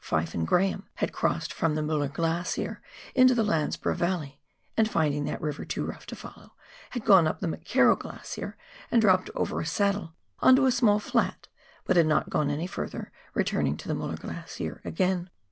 Fyfe and Graham had crossed from the Mueller Glacier into the Landsborough Yalley, and, finding that river too rough to follow, had gone up the McKerrow Glacier and dropped over a saddle on to a small flat, but had not gone any further, returning to the Mueller Glacier again.